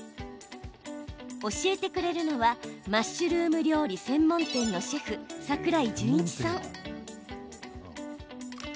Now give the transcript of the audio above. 教えてくれるのはマッシュルーム料理専門店のシェフ、桜井順一さん。